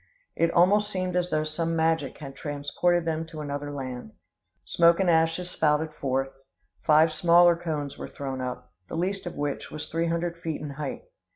It almost seemed as though some magic had transported them to another land. Smoke and ashes spouted forth; five smaller cones were thrown up, the least of which was three hundred feet in height.